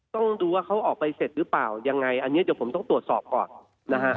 ต้องดูว่าเขาออกไปเสร็จหรือเปล่ายังไงอันนี้เดี๋ยวผมต้องตรวจสอบก่อนนะฮะ